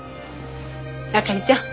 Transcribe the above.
あかりちゃん